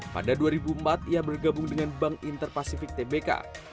pada tahun dua ribu empat aguan bergabung dengan bank interpacifik tbk